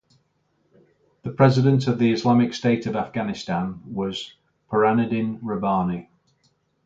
The President of the Islamic State of Afghanistan was Burhanuddin Rabbani.